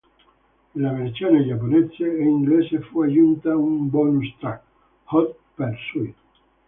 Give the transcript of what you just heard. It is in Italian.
Nella versione giapponese e inglese fu aggiunta una bonus track, "Hot Pursuit".